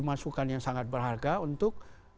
masukan yang sangat berharga untuk